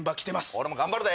俺も頑張るで！